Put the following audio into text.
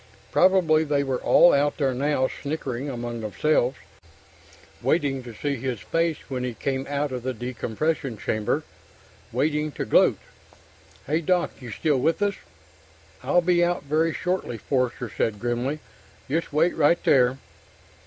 Probably they were all out there now, snickering among themselves, waiting to see his face when he came out of the decompression chamber ... waiting to gloat.... "Hey Doc! You still with us?" "I'll be out very shortly," Forster said grimly. "Just wait right there."